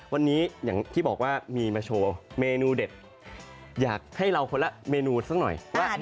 วันนี้อย่างที่บอกว่ามีมาโชว์เมนูเด็ดอยากให้เราคนละเมนูสักหน่อยว่า